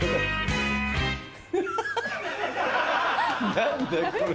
何だこれ。